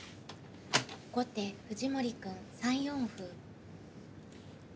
後手藤森くん３四歩。